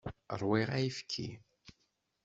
Rwiɣ ayefki.